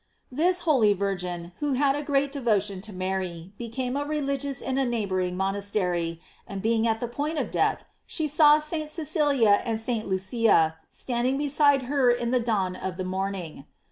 This holy virgin, who had a great devotion to Mary, be came a religious in a neighboring monastery, and being at the point of death, she saw St. Ce cilia and St. Lucia standing beside her in the dawn of the morning.